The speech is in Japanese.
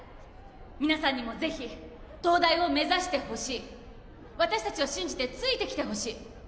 皆さんにもぜひ東大を目指してほしい私達を信じてついてきてほしい